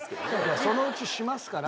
そのうちしますから。